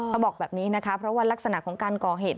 เขาบอกแบบนี้นะคะเพราะว่ารักษณะของการก่อเหตุ